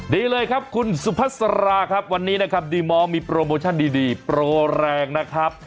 ดีเลยครับคุณสุพัสราครับวันนี้นะครับดีมอลมีโปรโมชั่นดีโปรแรงนะครับ